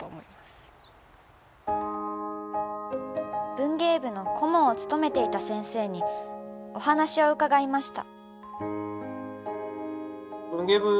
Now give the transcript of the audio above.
文芸部の顧問を務めていた先生にお話を伺いました。